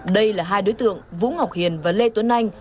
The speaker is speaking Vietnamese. đây là hai đối tượng vũ ngọc hiền và lê tuấn anh